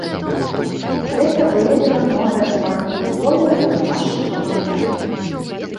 Гэта выявіла новыя фарбы і колеры ў нашай камандзе.